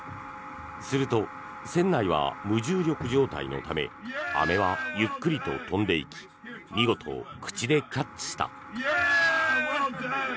すると、船内は無重力状態のためアメはゆっくりと飛んでいき見事、口でキャッチした。